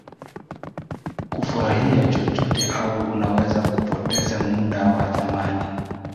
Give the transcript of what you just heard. kufurahia chochote Au unaweza kupoteza muda wa thamani